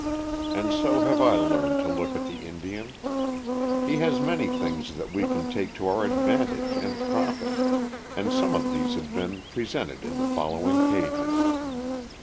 And so have I learned to look at the Indian. He has many things that we can take to our advantage and profit, and some of these have been presented in the following pages.